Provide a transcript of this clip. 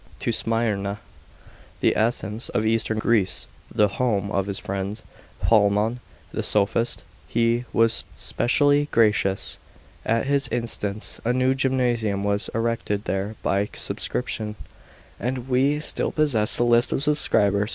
To Smyrna, the Athens of eastern Greece, the home of his friend Polemon the sophist, he was specially gracious. At his instance a new gymnasium was erected there by subscription, and we still possess the list of subscribers.